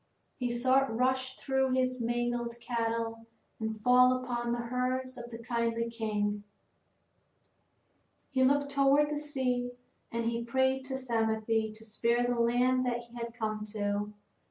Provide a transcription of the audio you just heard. He saw it rush through his own mangled cattle and fall upon the herds of the kindly king. He looked toward the sea and he prayed to Psamathe to spare the land that he had come to.